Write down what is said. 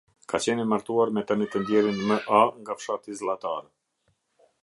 Ka qenë e martuar me tani të ndjerin M A nga fshati Zllatar.